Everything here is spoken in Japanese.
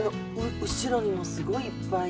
後ろにもすごいいっぱい。